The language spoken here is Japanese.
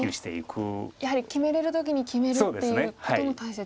やはり決めれる時に決めるっていうことも大切。